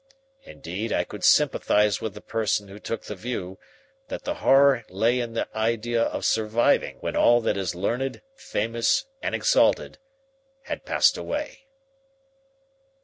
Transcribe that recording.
Indeed, I could sympathize with the person who took the view that the horror lay in the idea of surviving when all that is learned, famous, and exalted had passed away."